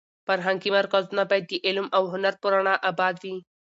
فرهنګي مرکزونه باید د علم او هنر په رڼا اباد وي.